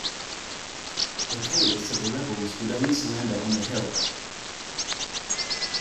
O'Kelly said the rebels would only surrender on the hill.